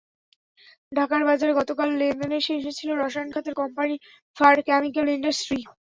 ঢাকার বাজারে গতকাল লেনদেনের শীর্ষে ছিল রসায়ন খাতের কোম্পানি ফার কেমিক্যাল ইন্ডাস্ট্রি।